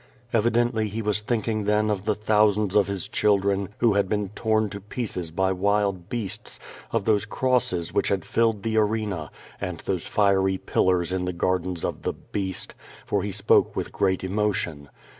*' Evidently he was thinking then of the thousands of his children who had been torn to pieces by wild beasts, of those crosses which had filled the arena, and those fiery pil lars in the gardens of the "Beast, for he spoke with great emotion.